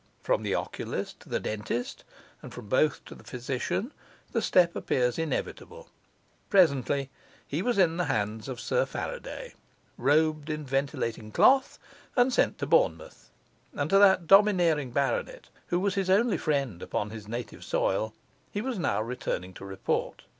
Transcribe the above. From the oculist to the dentist, and from both to the physician, the step appears inevitable; presently he was in the hands of Sir Faraday, robed in ventilating cloth and sent to Bournemouth; and to that domineering baronet (who was his only friend upon his native soil) he was now returning to report.